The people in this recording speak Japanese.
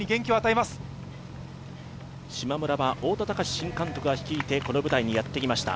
しまむらは太田崇新監督が率いて、この舞台にやってきました。